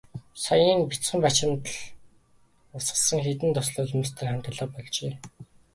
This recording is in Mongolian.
Саяын нь бяцхан бачимдал урсгасан хэдэн дусал нулимстай нь хамт алга болжээ.